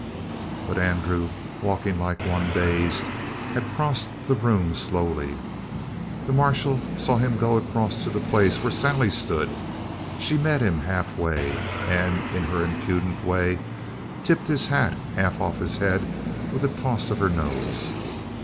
But Andrew, walking like one dazed, had crossed the room slowly. The marshal saw him go across to the place where Sally stood; she met him halfway, and, in her impudent way, tipped his hat half off his head with a toss of her nose.